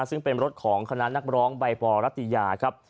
ซึ่งเป็นรถของคณะนักร้องใบปอรัตยาครับ